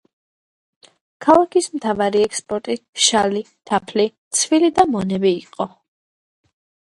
ქალაქის მთავარი ექსპორტი შალი, თაფლი, ცვილი და მონები იყო.